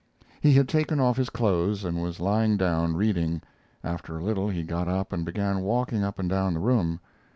He had taken off his clothes and was lying down, reading. After a little he got up and began walking up and down the room.